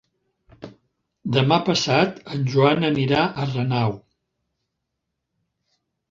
Demà passat en Joan anirà a Renau.